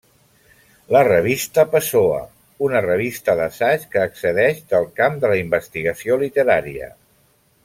La Revista Pessoa, una revista d'assaig que excedeix del camp de la investigació literària.